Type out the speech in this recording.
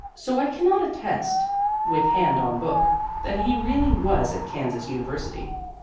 So I cannot attest, with hand on Book, that he really was at Kansas University.